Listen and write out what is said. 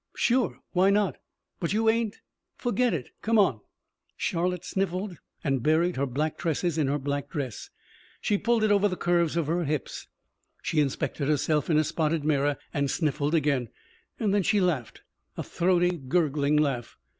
"Sure. Why not?" "But you ain't ?" "Forget it. Come on." Charlotte sniffled and buried her black tresses in her black dress. She pulled it over the curves of her hips. She inspected herself in a spotted mirror and sniffled again. Then she laughed. A throaty, gurgling laugh.